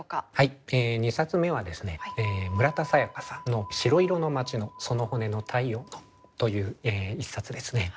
２冊目はですね村田沙耶香さんの「しろいろの街の、その骨の体温の」という一冊ですね。